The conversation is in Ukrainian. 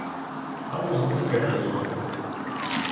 Ану з мушкета її!